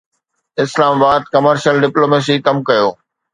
اسلام آباد commercial diplomacy ڪم ڪيو